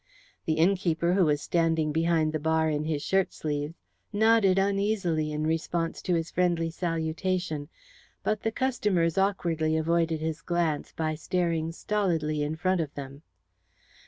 The innkeeper, who was standing behind the bar in his shirt sleeves, nodded uneasily in response to his friendly salutation, but the customers awkwardly avoided his glance by staring stolidly in front of them.